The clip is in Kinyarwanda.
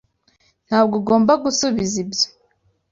Ntabwo ugomba gusubiza ibyo.